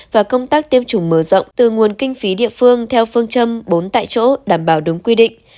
và công tác tiêm chủng mở rộng từ nguồn kinh phí địa phương theo phương châm bốn tại chỗ đảm bảo đúng quy định